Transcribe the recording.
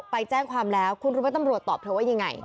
ไปแจ้งความแล้วคุณรู้ไหมตำรวจตอบเธอว่ายังไง